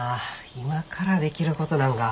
今からできることなんか。